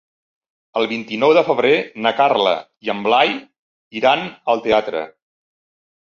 El vint-i-nou de febrer na Carla i en Blai iran al teatre.